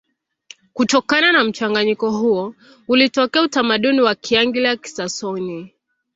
Kutokana na mchanganyiko huo ulitokea utamaduni wa Kianglia-Kisaksoni.